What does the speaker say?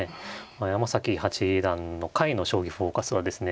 山崎八段の回の「将棋フォーカス」はですね